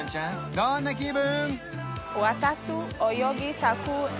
どんな気分？